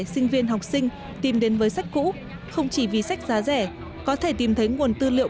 sinh viên học sinh tìm đến với sách cũ không chỉ vì sách giá rẻ có thể tìm thấy nguồn tư liệu